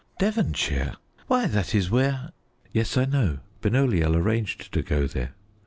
"Devonshire! Why, that is where " "Yes, I know: Benoliel arranged to go there.